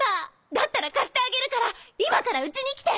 だったら貸してあげるから今から家に来て！